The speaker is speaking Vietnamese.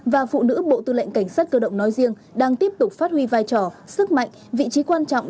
và phụ nữ bộ tư lệnh cảnh sát cơ động nói riêng đang tiếp tục phát huy vai trò sức mạnh vị trí quan trọng